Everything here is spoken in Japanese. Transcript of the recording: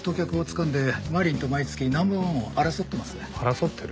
争ってる？